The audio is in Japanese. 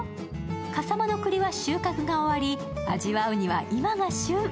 笠間のくりは収穫も終わり、味わうには今が旬。